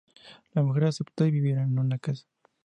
La mujer aceptó y vivieron en una casa.